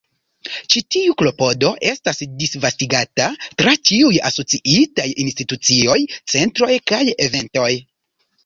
Ĉi tiu klopodo estas disvastigata tra ĉiuj asociitaj institucioj, centroj kaj eventoj.